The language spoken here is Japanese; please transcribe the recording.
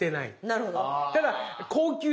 なるほど。